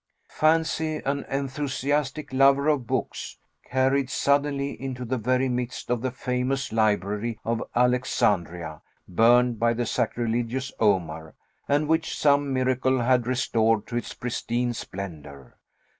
Fancy an enthusiastic lover of books carried suddenly into the very midst of the famous library of Alexandria burned by the sacrilegious Omar, and which some miracle had restored to its pristine splendor!